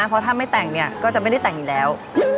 เพราะถ้าไม่แต่งเนี่ยก็จะไม่ได้แต่งอยู่แล้ว